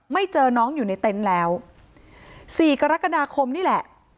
ไม่เจอน้องอยู่ในเต็นต์แล้วสี่กรกฎาคมนี่แหละ